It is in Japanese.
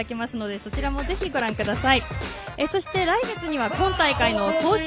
そちらもぜひ、ご覧ください。